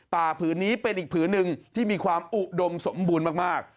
ผืนนี้เป็นอีกผืนหนึ่งที่มีความอุดมสมบูรณ์มาก